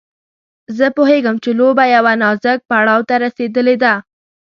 زه پوهېږم چې لوبه يوه نازک پړاو ته رسېدلې ده.